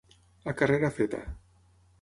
A carrera feta.